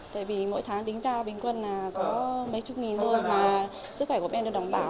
tại vì mỗi tháng tính cao bình quân là có mấy chục nghìn thôi mà sức khỏe của em được đảm bảo